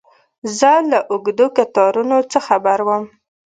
زه له اوږدو کتارونو څه خبر وم.